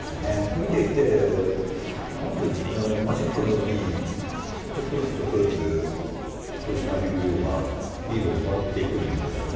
見ていて、なんで、マジックのように、ちょっとずつちょっとずつ、豊島竜王がリードを奪っていくんですよね。